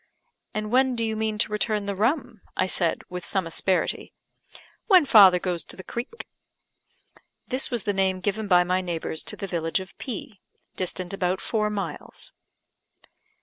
"And when do you mean to return the rum?" I said, with some asperity. "When father goes to the creek." This was the name given by my neighbours to the village of P , distant about four miles.